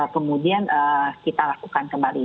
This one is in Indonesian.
kemudian kita lakukan kembali